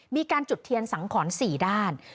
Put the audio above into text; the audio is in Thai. มีการจุดเทียนสังขร๔ด้าน